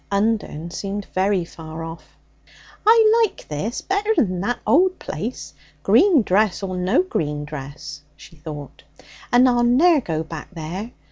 Undern seemed very far off. 'I like this better'n that old dark place, green dress or no green dress,' she thought, 'and I'll ne'er go back there.